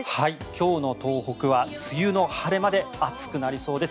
今日の東北は梅雨の晴れ間で暑くなりそうです。